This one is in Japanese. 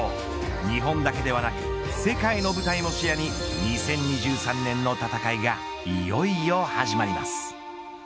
日本だけではなく世界の舞台も視野に２０２３年の戦いがいよいよ始まります。